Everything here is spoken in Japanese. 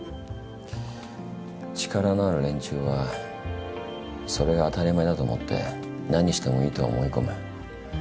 力のある連中はそれが当たり前だと思って何してもいいと思い込む。